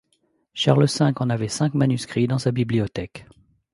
Charles V en avait cinq manuscrits dans sa bibliothèque.